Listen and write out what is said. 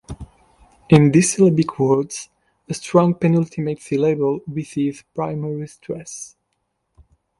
In disyllabic words a strong penultimate syllable receives primary stress.